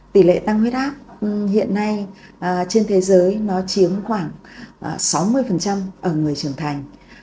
tỷ lệ tăng huyết áp hiện nay trên thế giới nó chiếm khoảng sáu mươi ở người trưởng thành